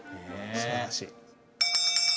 すばらしい。